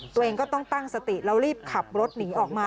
ตัวเองก็ต้องตั้งสติแล้วรีบขับรถหนีออกมา